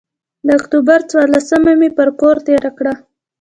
د اکتوبر څورلسمه مې پر کور تېره کړه.